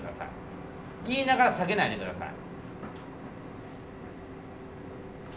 言いながら下げないで下さい。